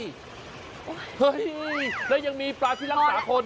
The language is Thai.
เฮ้ยแล้วยังมีปลาที่รักษาคน